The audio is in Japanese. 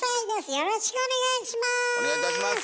よろしくお願いします！